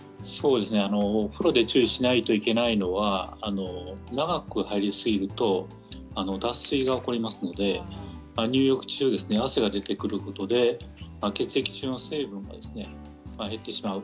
お風呂で注意してほしいのは長く入りすぎると脱水が起こりますので入浴中、汗が出てくることで血液中の水分が減ってしまう。